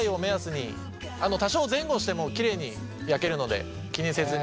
多少前後してもきれいに焼けるので気にせずに。